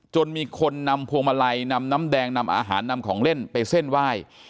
จนมีคนนำพวงมาลัยนำน้ำแดงนำอาหารนำของเล่นไปเส้นไหว้